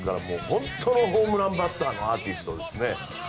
本当のホームランバッターのアーティストですね。